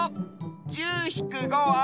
「１０ひく５」は？